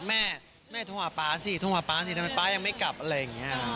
แม่แม่โทรหาป๊าสิโทรหาป๊าสิทำไมป๊ายังไม่กลับอะไรอย่างนี้